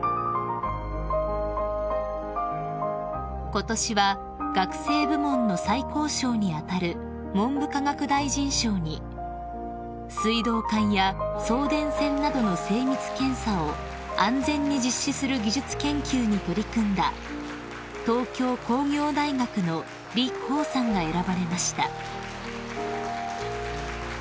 ［ことしは学生部門の最高賞に当たる文部科学大臣賞に水道管や送電線などの精密検査を安全に実施する技術研究に取り組んだ東京工業大学の李恒さんが選ばれました］